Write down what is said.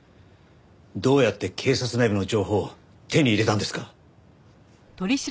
どうやって警察内部の情報を手に入れたんですか？